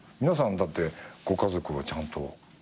皆さんだってご家族はちゃんと。